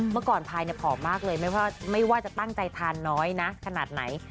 เมื่อก่อนพายผอมมากเลยไม่ว่าจะตั้งใจทานน้อยนะขนาดไหน